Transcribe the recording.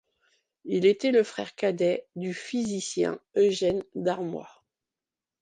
Il était le frère cadet du physicien Eugène Darmois.